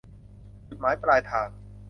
จุดหมายปลายทาง